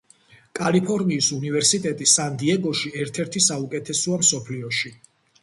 კალიფორნიის უნივერსიტეტი სან-დიეგოში ერთ-ერთი საუკეთესოა მსოფლიოში.